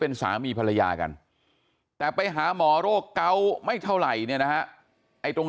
เป็นสามีภรรยากันแต่ไปหาหมอโรคเกาะไม่เท่าไหร่เนี่ยนะฮะไอ้ตรง